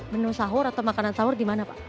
menu sahur atau makanan sahur di mana pak